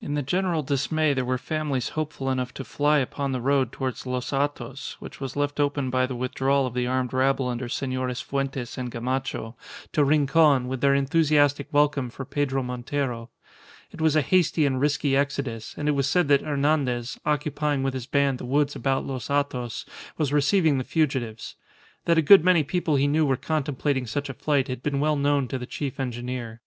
In the general dismay there were families hopeful enough to fly upon the road towards Los Hatos, which was left open by the withdrawal of the armed rabble under Senores Fuentes and Gamacho, to Rincon, with their enthusiastic welcome for Pedro Montero. It was a hasty and risky exodus, and it was said that Hernandez, occupying with his band the woods about Los Hatos, was receiving the fugitives. That a good many people he knew were contemplating such a flight had been well known to the chief engineer.